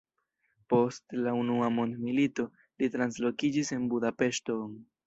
Post la unua mondmilito li translokiĝis en Budapeŝton.